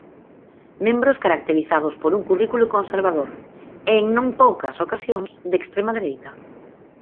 Membros caracterizados por un currículo conservador e, en non poucas ocasións, de extrema dereita.